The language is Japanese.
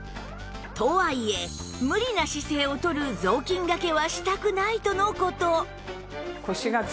とはいえ無理な姿勢をとる雑巾がけはしたくないとの事